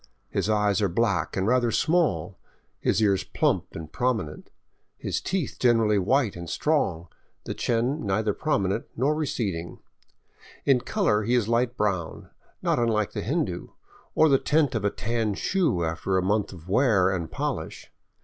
His eyes are black and rather small, 582 SKIRTING THE GRAN CHACO his ears plump and prominent, his teeth generally white and strong, the chin neither prominent nor receding. In color he is light brown, not unlike the Hindu — or the tint of a tan shoe after a month of wear and polish.